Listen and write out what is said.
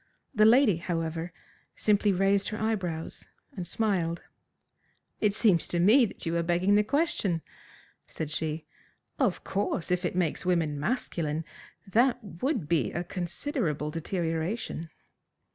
The lady, however, simply raised her eyebrows and smiled. "It seems to me that you are begging the question," said she. "Of course, if it makes women masculine that would be a considerable deterioration."